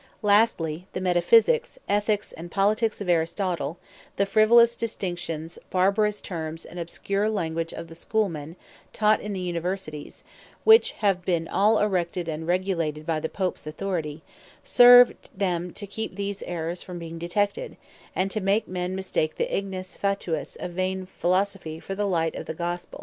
School Divinity Lastly, the Metaphysiques, Ethiques, and Politiques of Aristotle, the frivolous Distinctions, barbarous Terms, and obscure Language of the Schoolmen, taught in the Universities, (which have been all erected and regulated by the Popes Authority,) serve them to keep these Errors from being detected, and to make men mistake the Ignis Fatuus of Vain Philosophy, for the Light of the Gospell.